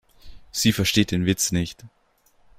Sie versteht den Witz nicht.